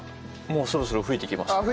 もうそろそろ噴いてきました。